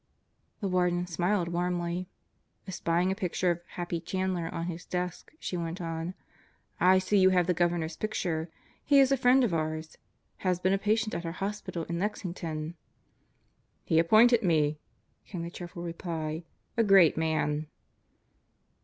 The Warden smiled warmly. Espying a picture of "Happy" Chandler on his desk, she went on: "I see you have the Governor's picture. He is a friend of ours. Has been a patient at our hospital in Lexington." "He appointed me," came the cheerful reply. "A great man."